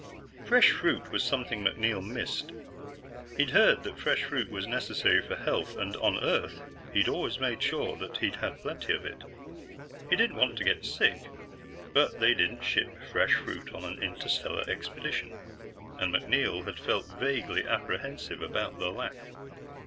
Fresh fruit was something MacNeil missed. He'd heard that fresh fruit was necessary for health, and on Earth he'd always made sure that he had plenty of it. He didn't want to get sick. But they didn't ship fresh fruit on an interstellar expedition, and MacNeil had felt vaguely apprehensive about the lack.